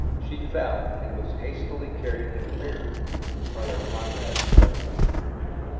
She fell, and was hastily carried to the rear, while her comrades struggled on.